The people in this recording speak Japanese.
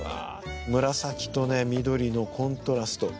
紫と緑のコントラスト。